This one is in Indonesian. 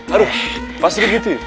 aduh pak sri kiti